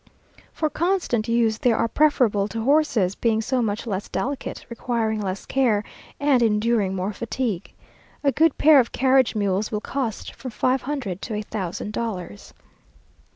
For constant use they are preferable to horses, being so much less delicate, requiring less care, and enduring more fatigue. A good pair of carriage mules will cost from five hundred to a thousand dollars.